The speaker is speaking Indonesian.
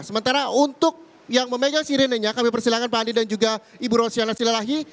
sementara untuk yang memegang sirinenya kami persilahkan pak andi dan juga ibu rosyana silalahi